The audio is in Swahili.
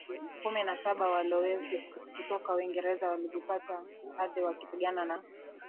kumi na Saba Walowezi kutoka Uingereza walijipatia ardhi wakipigana na